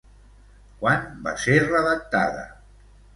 Quan va ser redactada?